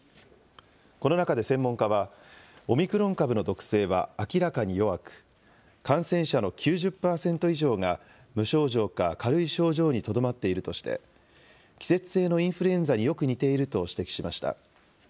この中で専門家は、オミクロン株の毒性は明らかに弱く、感染者の９０％以上が無症状か軽い症状にとどまっているとして、季節性のインフルエンザによく似ていると指摘しました。